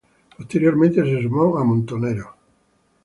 Posteriormente se sumó a Montoneros.